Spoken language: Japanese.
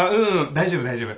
大丈夫大丈夫。